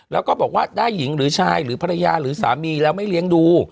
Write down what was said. แล้วก็บอกว่าได้หญิงหรือชายหรือภรรยาหรือสามีแล้วไม่เลี้ยงดู